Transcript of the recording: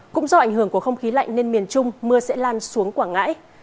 cũng do ảnh hưởng của không khí lạnh nên miền trung mưa sẽ lan xuống quảng ngãi